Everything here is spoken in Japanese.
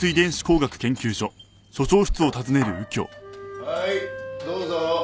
はいどうぞ。